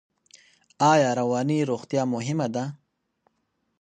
ایا رواني روغتیا مهمه ده؟